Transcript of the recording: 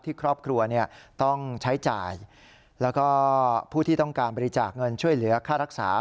ครอบครัวต้องใช้จ่ายแล้วก็ผู้ที่ต้องการบริจาคเงินช่วยเหลือค่ารักษา